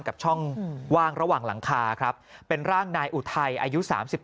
กับช่องว่างระหว่างหลังคาครับเป็นร่างนายอุทัยอายุ๓๓